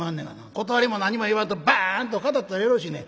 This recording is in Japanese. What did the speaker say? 断りも何も言わんとバーンと語ったらよろしいねん。